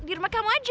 di rumah kamu aja